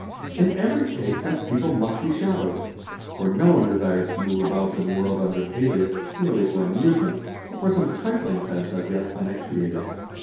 In every case such people must be shadowed ; for no one desires to move about in the world under an alias merely for amusement or for some trifling offence as yet unexpiated.